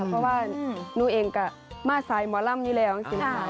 เพราะว่าหนูเองก็มาร์ดไซด์หมอร่ำอยู่แล้วอย่างสินหาย